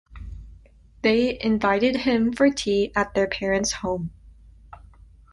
They invited him for tea at their parents' home.